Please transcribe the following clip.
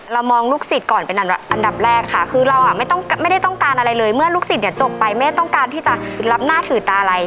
มองลูกศิษย์ก่อนเป็นอันดับแรกค่ะคือเราอ่ะไม่ได้ต้องการอะไรเลยเมื่อลูกศิษย์จบไปไม่ได้ต้องการที่จะรับหน้าถือตาอะไร